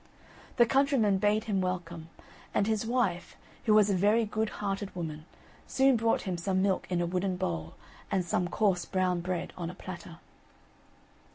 The countryman bade him welcome, and his wife, who was a very good hearted woman, soon brought him some milk in a wooden bowl, and some coarse brown bread on a platter.